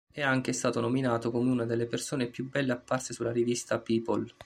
È anche stato nominato come una delle persone più belle apparse sulla rivista "People".